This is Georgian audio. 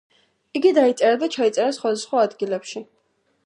იგი დაიწერა და ჩაიწერა სხვადასხვა ადგილებში.